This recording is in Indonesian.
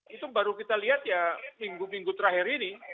itu baru kita lihat ya minggu minggu terakhir ini